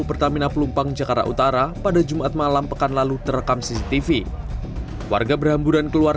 pertamina pelumpang jakarta utara pada jumat malam pekan lalu terekam cctv warga berhamburan keluar